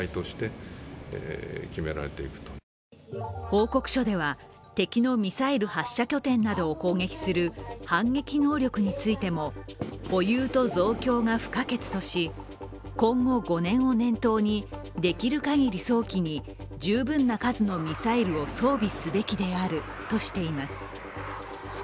報告書では、敵のミサイル発射拠点などを攻撃する反撃能力についても保有と増強が不可欠とし今後５年を念頭に、できるかぎり早期に十分な数のミサイルを装備すべきであるとしています。